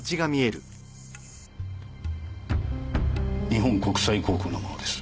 日本国際航空のものです。